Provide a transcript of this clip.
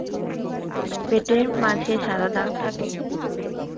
পেটের মাঝে সাদা দাগ থাকে।